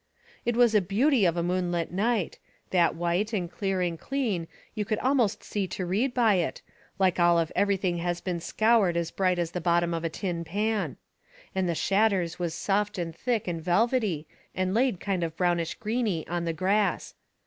It was a beauty of a moonlight night, that white and clear and clean you could almost see to read by it, like all of everything had been scoured as bright as the bottom of a tin pan. And the shadders was soft and thick and velvety and laid kind of brownish greeney on the grass.